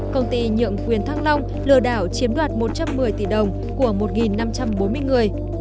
công ty nhượng quyền thăng long lừa đảo chiếm đoạt một trăm một mươi tỷ đồng của một năm trăm bốn mươi người